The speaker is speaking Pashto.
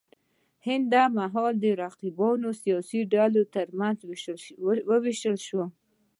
هند دا مهال د رقیبو سیاسي ډلو ترمنځ وېشل شوی و.